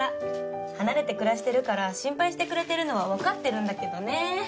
離れて暮らしてるから心配してくれてるのはわかってるんだけどね。